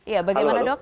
ya bagaimana dok